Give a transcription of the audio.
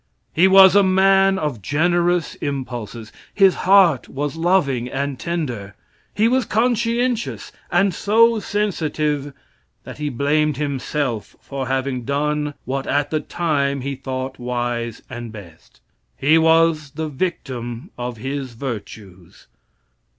He was a man of generous impulses. His heart was loving and tender. He was conscientious, and so sensitive that he blamed himself for having done what at the time he thought wise and best. He was the victim of his virtues.